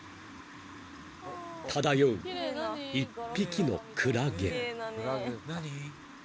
［漂う１匹のクラゲ］